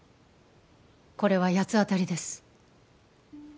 これは八つ当たりです